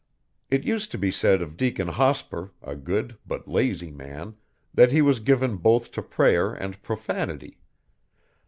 It used to be said of Deacon Hospur, a good but lazy man, that he was given both to prayer and profanity.